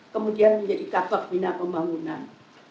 kemudian menjadi kantor bina pembangunan